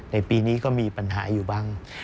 ในปีนี้ก็มีปัญหาอยู่บ้าง